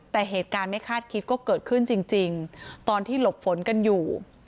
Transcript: แต่เหตุการณ์ไม่คาดคิดก็เกิดขึ้นจริงตอนที่หลบฝนกันอยู่